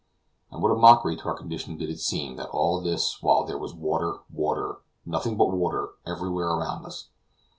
And what a mockery to our condition did it seem that all this while there was water, water, nothing but water, everywhere around us!